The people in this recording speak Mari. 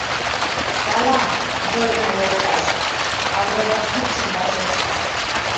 — Салам, Зорина йолташ, — агроном кукшын вашештыш.